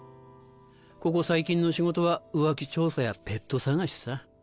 ここ最近の仕事は浮気調査やペット探しさ。